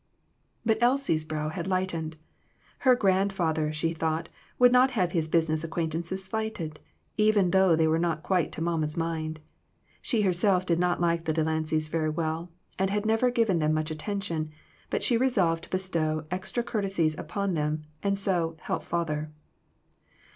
But Elsie's brow had lightened. Her grand father, she thought, would not have his business acquaintances slighted, even though they were not quite to mamma's mind. She herself did not like the Delancys very well, and had never given them much attention, but she resolved to bestow extra courtesies upon them, and so "help father."